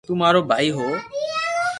تو مارو ڀائي ھو